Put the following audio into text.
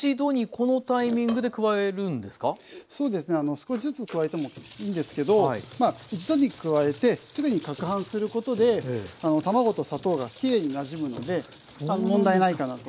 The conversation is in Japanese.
少しずつ加えてもいいんですけど一度に加えてすぐに攪拌することで卵と砂糖がきれいになじむので問題ないかなと。